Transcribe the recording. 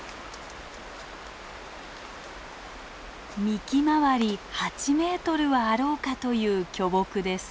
幹周り８メートルはあろうかという巨木です。